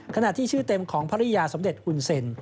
ขณะที่ชื่อเต็มของภรรยาสมเด็จหุ่นเซ็น